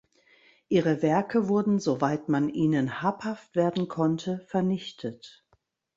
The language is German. Ihre Werke wurden so weit man ihnen habhaft werden konnte vernichtet.